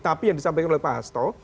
tapi yang disampaikan oleh pak hasto